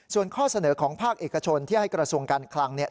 ส่วนข้อเสนอของภาคเอกชนที่ให้กระทรวงการคลังเนี่ย